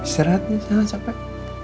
sihiratnya sangat capek